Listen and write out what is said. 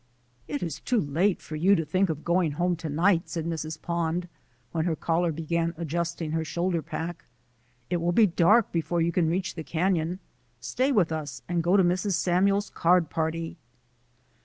"It is too late for you to think of going home to night," said Mrs. Pond when her caller began adjusting her shoulder pack. "It will be dark be fore you can reach the canon. Stay with us and go to Mrs. Samuel's card party."